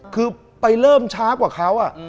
คือไปเริ่มช้ากว่าเขา